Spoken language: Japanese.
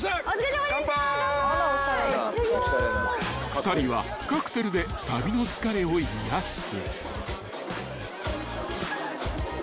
［２人はカクテルで旅の疲れを癒やす］はっ。